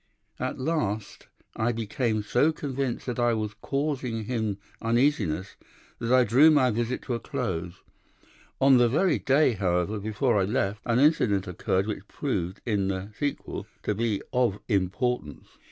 At last I became so convinced that I was causing him uneasiness that I drew my visit to a close. On the very day, however, before I left, an incident occurred which proved in the sequel to be of importance.